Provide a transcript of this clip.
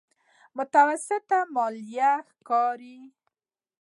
متوسطه ماليه ښکاري.